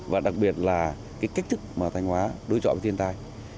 và đặc biệt là cái cách thức mà thanh hóa đối chọn với thiên tai